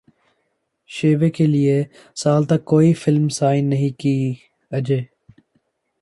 شیوے کیلئے سال تک کوئی فلم سائن نہیں کی اجے